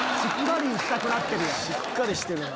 しっかりしてるな。